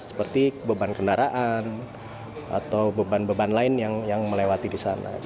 seperti beban kendaraan atau beban beban lain yang melewati di sana